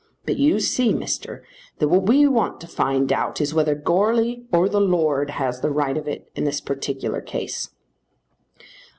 But you see, Mister, that what we want to find out is whether Goarly or the Lord has the right of it in this particular case."